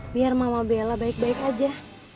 biar mama bella baik baik aja